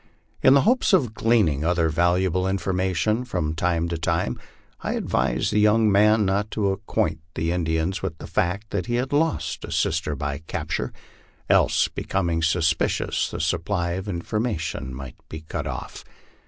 In the hope of gleaning other valu able information from time to time, I advised the young man not to acquaint the Indians with the fact that he had lost a sister by capture ; else, becoming suspicious, the supply of information might be cut off.